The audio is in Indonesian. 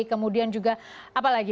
kemudian juga apa lagi